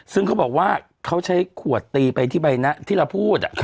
ซึ่งเขาบอกว่าเขาใช้ขวดตีไปที่ใบหน้าที่เราพูด